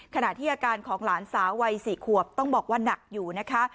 ขณะที่อาการของหลานสาววัย๔ขวบต้องบอกว่าหนักอยู่นะคะ